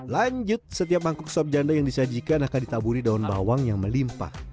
lanjut setiap mangkuk sop janda yang disajikan akan ditaburi daun bawang yang melimpah